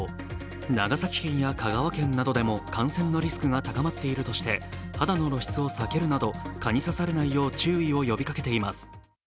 長崎県や香川県などでも感染のリスクが高まっているとして肌の露出を避けるなど蚊に刺されないよう注意を呼びかけています。